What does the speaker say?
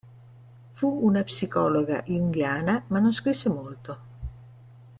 Fu una psicologa junghiana, ma non scrisse molto.